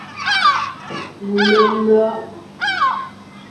Lelÿɔ’.